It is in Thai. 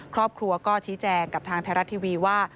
ครอบครัวก็ชี้แจงกับทางไทยรัฐทีวีว่า